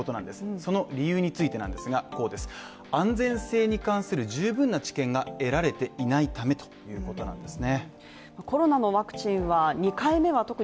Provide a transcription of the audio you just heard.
その理由についてなんですが、こうです、安全性に関する十分な知見が得られていないためということなんですね